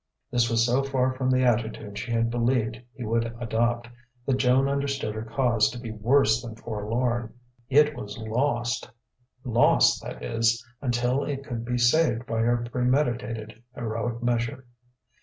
This was so far from the attitude she had believed he would adopt, that Joan understood her cause to be worse than forlorn: it was lost; lost, that is, unless it could be saved by her premeditated heroic measure.